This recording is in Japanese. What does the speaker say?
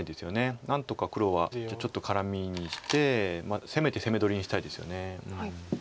何とか黒はちょっとカラミにしてせめて攻め取りにしたいですよね。